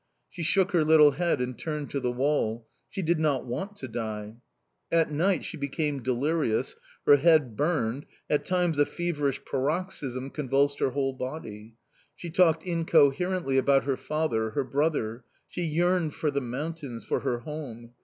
She shook her little head and turned to the wall she did not want to die!... "At night she became delirious, her head burned, at times a feverish paroxysm convulsed her whole body. She talked incoherently about her father, her brother; she yearned for the mountains, for her home...